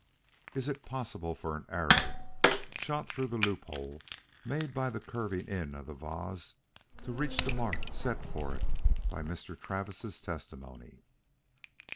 "Is it possible for an arrow, shot through the loophole made by the curving in of the vase, to reach the mark set for it by Mr. Travis' testimony?